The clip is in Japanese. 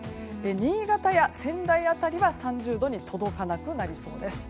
新潟や仙台辺りは３０度に届かなくなりそうです。